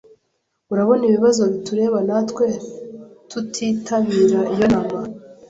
Urabona ibibazo bitureba natwe tutitabira iyo nama?